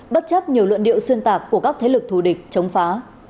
bất chấp nhiều luận điệu xuyên tạc của các thế lực thù địch chống phá